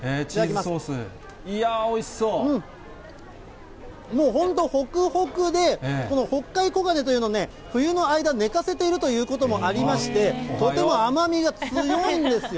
チーズソース、いやー、もう本当、ほくほくで、この北海黄金というのをね、冬の間、寝かせているということもありまして、とても甘みが強いんですよ。